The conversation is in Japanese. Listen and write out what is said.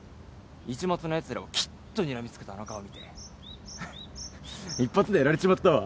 市松のやつらをキッとにらみつけたあの顔見て一発でやられちまったわ。